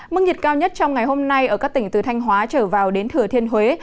mức nhiệt cao nhất trong ngày hôm nay ở các tỉnh từ thanh hóa trở vào đến thừa thiên huế